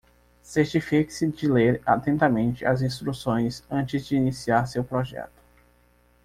Certifique-se de ler atentamente as instruções antes de iniciar seu projeto.